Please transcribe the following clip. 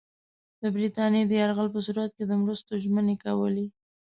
د برټانیې د یرغل په صورت کې د مرستو ژمنې کولې.